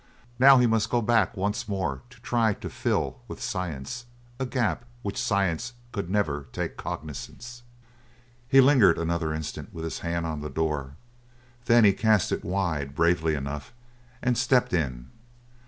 Now he must go back once more to try to fill, with science, a gap of which science could never take cognizance. He lingered another instant with his hand on the door; then he cast it wide bravely enough and stepped in.